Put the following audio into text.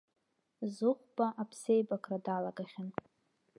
Зыхәба аԥсеибакра далагахьан.